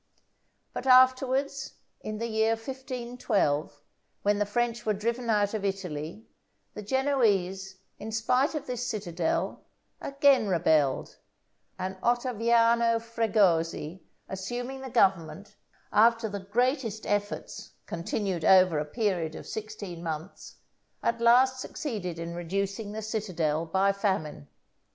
But, afterwards, in the year 1512, when the French were driven out of Italy, the Genoese, in spite of this citadel, again rebelled, and Ottaviano Fregoso assuming the government, after the greatest efforts, continued over a period of sixteen months, at last succeeded in reducing the citadel by famine.